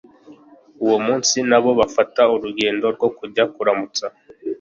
uwomunsi nabo bafata urugendo rwokuja kuramutsa